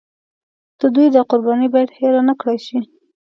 د دوی دا قرباني باید هېره نکړای شي.